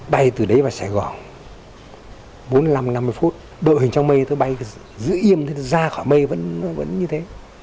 bay từ đấy vào sài gòn bốn mươi năm năm mươi phút đội hình trong mây tôi bay giữ im ra khỏi mây vẫn như thế